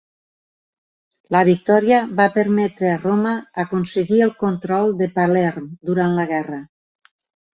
La victòria va permetre a Roma aconseguir el control de Palerm durant la guerra.